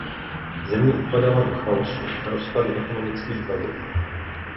Země upadala do chaosu a rozkladu ekonomických vazeb.